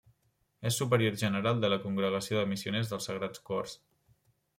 És superior general de la Congregació de Missioners dels Sagrats Cors.